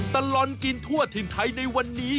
ตลอดกินทั่วถิ่นไทยในวันนี้